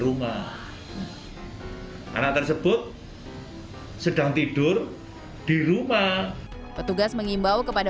rumah anak tersebut sedang tidur di rumah petugas mengimbau kepada